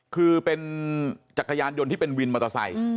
คือเป็นจักรยานยนต์ที่เป็นวิลมาตราส่าย